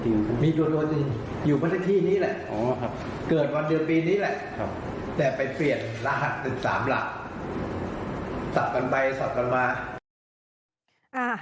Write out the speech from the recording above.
แต่ไปเปลี่ยนรหัส๑๓หลักสอบกันไปสอบกันมา